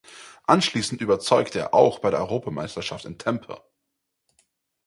Anschließend überzeugte er auch bei der Europameisterschaft in Tampere.